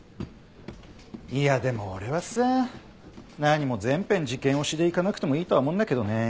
いやでも俺はさ何も全編事件押しでいかなくてもいいとは思うんだけどねぇ。